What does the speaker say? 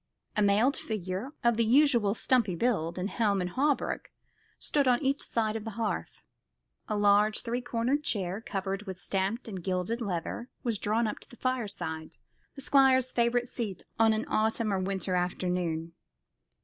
A mailed figure of the usual stumpy build, in helm and hauberk, stood on each side of the hearth; a large three cornered chair covered with stamped and gilded leather was drawn up to the fireside, the Squire's favourite seat on an autumn or winter afternoon.